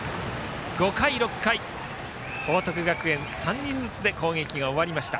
５回、６回報徳学園、３人ずつで攻撃が終わりました。